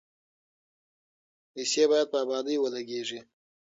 پیسې باید په ابادۍ ولګیږي.